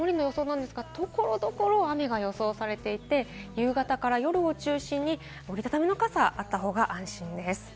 きょうは曇りの予想ですが、所々雨が予想されていて、夕方から夜を中心に折り畳みの傘、あった方が安心です。